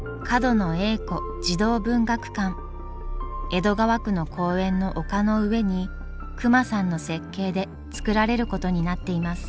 江戸川区の公園の丘の上に隈さんの設計で造られることになっています。